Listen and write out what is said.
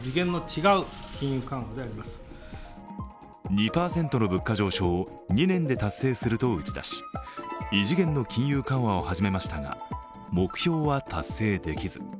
２％の物価上昇を２年で達成すると打ち出し異次元の金融緩和を始めましたが目標は達成できず。